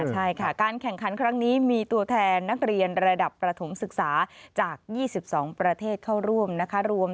ใช่ค่ะการแข่งขันครั้งนี้มีตัวแทนนักเรียนระดับประถมศึกษาจาก๒๒ประเทศเข้าร่วมนะคะ